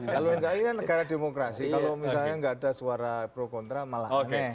kalau tidak ini negara demokrasi kalau misalnya tidak ada suara pro kontra malah